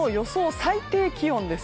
最低気温です。